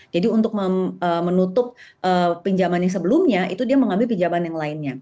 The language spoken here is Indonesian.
untuk menutup pinjaman yang sebelumnya itu dia mengambil pinjaman yang lainnya